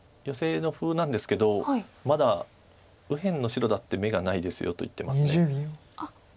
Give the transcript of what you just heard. ヨセのふうなんですけどまだ右辺の白だって眼がないですよと言ってます。